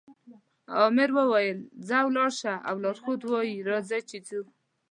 آمر وایي ځه ولاړ شه او لارښود وایي راځئ چې ځو.